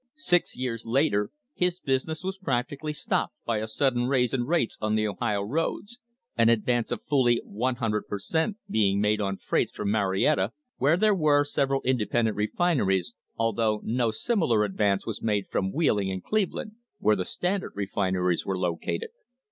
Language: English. Six years later his business was practically stopped by a sudden raise in rates on the Ohio roads an advance of fully 100 per cent, being made on freights from Marietta, where there were several independent refineries, although no similar advance was made from Wheeling and Cleveland, where the Standard refineries were located.